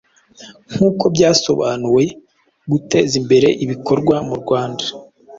Nk’uko byasobanuwe, guteza imbere ibikorwa mu Rwanda